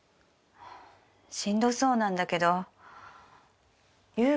しんどそうなんだけどゆう